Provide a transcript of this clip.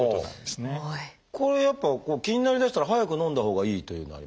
これやっぱ気になりだしたら早くのんだほうがいいというのは？